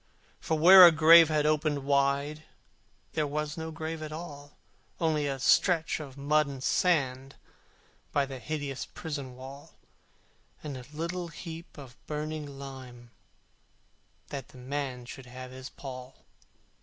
For where a grave had opened wide, There was no grave at all: Only a stretch of mud and sand By the hideous prison wall, And a little heap of burning lime, That the man should have his pall.